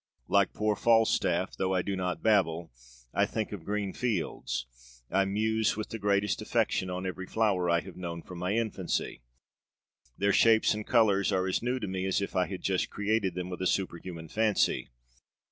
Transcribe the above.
Like poor Falstaff, though I do not "babble," I think of green fields; I muse with the greatest affection on every flower I have known from my infancy their shapes and colors are as new to me as if I had just created them with a superhuman fancy.